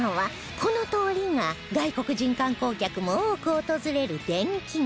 この通りが外国人観光客も多く訪れる電気街